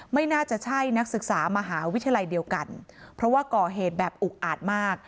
ไม่น่าจะใช่นักศึกษามหาวิทยาลัยเดียวกันเพราะว่าก่อเหตุแบบอุกอาจมาก